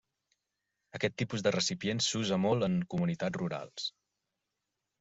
Aquest tipus de recipients s'usa molt en comunitats rurals.